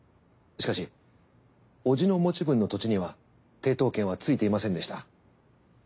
しかし叔父の持ち分の土地には抵当権は付いていませんでした。